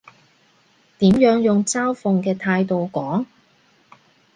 點樣用嘲諷嘅態度講？